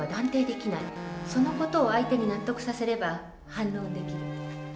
その事を相手に納得させれば反論できる。